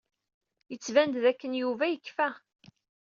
Yettban-d dakken Yuba yekfa.